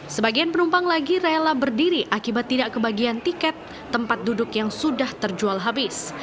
sebagian penumpang lagi rela berdiri akibat tidak kebagian tiket tempat duduk yang sudah terjual habis